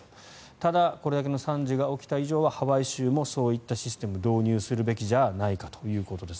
ただ、これだけの惨事が起きた以上はハワイ州もそういったシステムを導入するべきじゃないかということです。